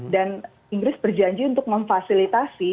dan inggris berjanji untuk memfasilitasi